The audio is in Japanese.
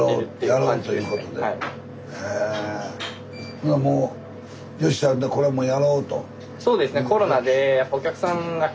ほなもうよっしゃこれもうやろうと。